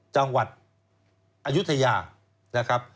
จังหวัดอายุทยา